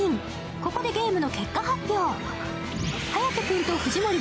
ここでゲームの結果発表。